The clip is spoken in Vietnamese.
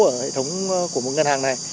ở hệ thống của một ngân hàng này